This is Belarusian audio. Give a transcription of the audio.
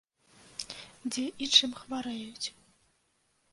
Дзе і чым хварэюць?